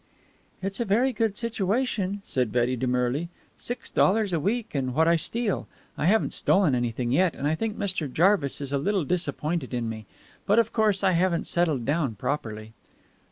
"It's a very good situation," said Betty demurely. "Six dollars a week and what I steal. I haven't stolen anything yet, and I think Mr. Jarvis is a little disappointed in me. But of course I haven't settled down properly."